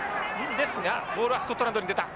ですがボールはスコットランドに出た。